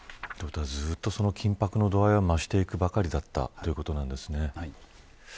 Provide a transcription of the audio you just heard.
ずっと緊迫の度合いが増していくばかりだったということなんですね。